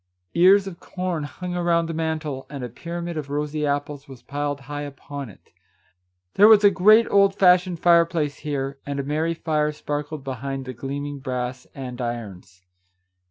Ears of corn hung around the mantel, and a pyramid of rosy apples was piled high upon it. There was a great old fashioned fireplace here, and a merry fire sparkled behind the gleaming brass andirons.